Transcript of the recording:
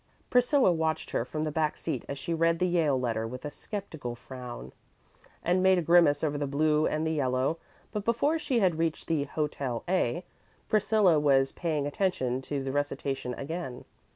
Priscilla watched her from the back seat as she read the Yale letter with a skeptical frown, and made a grimace over the blue and the yellow; but before she had reached the Hotel A , Priscilla was paying attention to the recitation again.